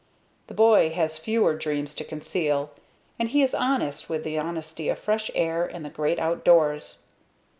The boy has fewer dreams to conceal, and he is honest with the honesty of fresh air and the great out doors.